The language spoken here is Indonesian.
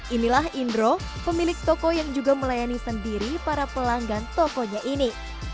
inilah indro pemilik toko yang juga melayani sendiri para pelanggan tokonya ini